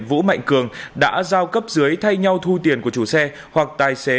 vũ mạnh cường đã giao cấp dưới thay nhau thu tiền của chủ xe hoặc tài xế